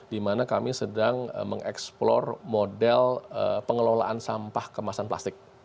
dimana kami sedang mengeksplor model pengelolaan sampah kemasan plastik